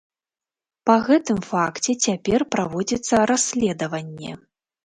Па гэтым факце цяпер праводзіцца расследаванне.